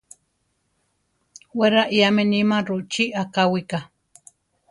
Wé raiáme níma rochí akáwika.